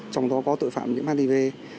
trong đó có tội phạm những htv